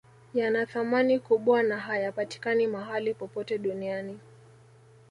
Yanathamani kubwa na hayapatikani mahali popote duniani